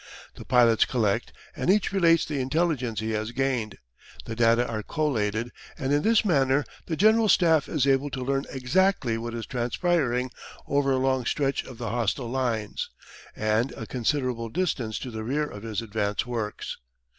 The pilots collect and each relates the intelligence he has gained. The data are collated and in this manner the General Staff is able to learn exactly what is transpiring over a long stretch of the hostile lines, and a considerable distance to the rear of his advance works.